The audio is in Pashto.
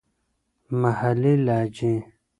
محلې لهجې.